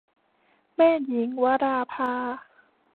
แม่หญิง - วราภา